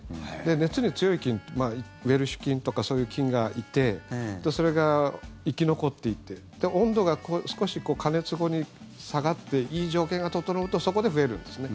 熱に強い菌ウエルシュ菌とかそういう菌がいてそれが生き残っていて温度が少し加熱後に下がっていい条件が整うとそこで増えるんですね。